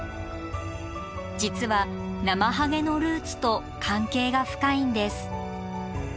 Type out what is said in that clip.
実はナマハゲのルーツと関係が深いんです。